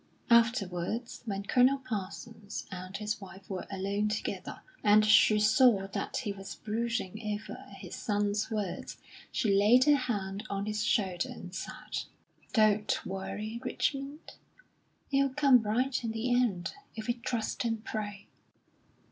Afterwards, when Colonel Parsons and his wife were alone together, and she saw that he was brooding over his son's words, she laid her hand on his shoulder, and said: "Don't worry, Richmond; it'll come right in the end, if we trust and pray."